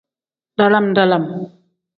Dalam-dalam.